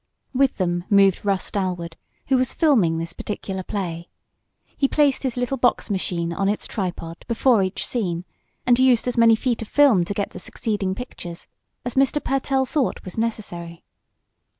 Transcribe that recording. With them moved Russ Dalwood, who was "filming" this particular play. He placed his little box machine, on its tripod, before each scene, and used as many feet of film to get the succeeding pictures as Mr. Pertell thought was necessary.